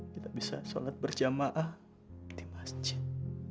kita bisa sholat berjamaah di masjid